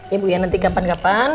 ya bu ya nanti kapan kapan